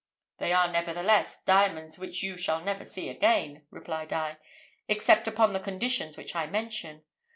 "They are nevertheless diamonds which you shall never see again," replied I, "except upon the conditions which I mention.